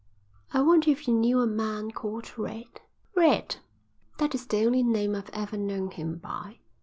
"I wonder if you knew a man called Red?" "Red?" "That is the only name I've ever known him by.